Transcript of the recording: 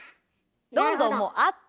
どんどんもうあった。